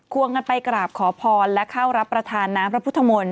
วงกันไปกราบขอพรและเข้ารับประทานน้ำพระพุทธมนตร์